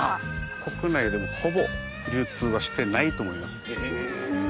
国内でもほぼ流通はしてないと思います。